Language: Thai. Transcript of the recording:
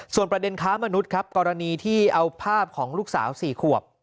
ประเด็นค้ามนุษย์ครับกรณีที่เอาภาพของลูกสาว๔ขวบ